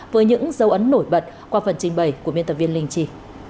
với những dấu ấn nổi bật qua phần trình bày của biên tập viên linh chi